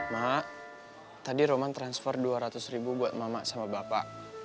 mak tadi roman transfer dua ratus ribu buat mama sama bapak